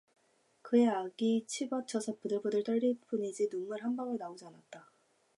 그리고 악이 치받쳐서 부들부들 떨릴 뿐이지 눈물 한 방울 나오지 않았다.